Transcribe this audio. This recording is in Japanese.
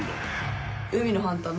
海のハンター